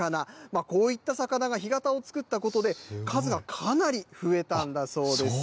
こういった魚が干潟を作ったことで、数がかなり増えたんだそうです。